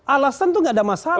alasan tuh nggak ada masalah